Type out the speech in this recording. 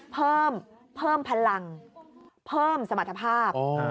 เพิ่มพลังเพิ่มสมรรถภาพ